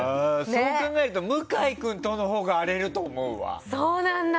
そう考えると向井君とのほうが荒れると思うわ。